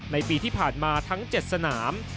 ในปีที่ผ่านมาทั้ง๗สนาม